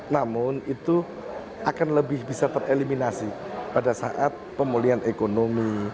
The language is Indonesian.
namun itu akan lebih bisa tereliminasi pada saat pemulihan ekonomi